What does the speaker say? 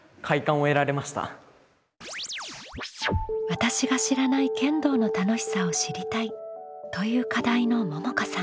「私が知らない剣道の楽しさを知りたい」という課題のももかさん。